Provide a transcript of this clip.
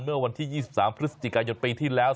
เมื่อวันที่๒๓พฤศจิกายนปีที่แล้ว